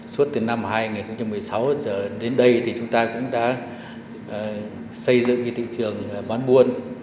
suốt từ năm hai nghìn một mươi sáu đến đây thì chúng ta cũng đã xây dựng thị trường bán buôn